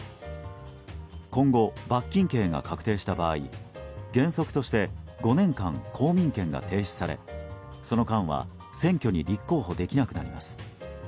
今後、罰金刑が確定した場合原則として５年間公民権が停止されその間は、選挙に立候補できなくなります。